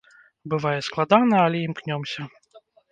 Бывае складана, але імкнёмся.